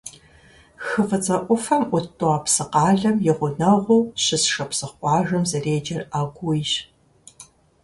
Хы ФIыцIэ Iуфэм Iут ТIуапсы къалэм и гъунэгъуу щыс шапсыгъ къуажэм зэреджэр Агуийщ.